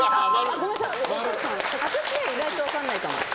私意外と分かんないかも。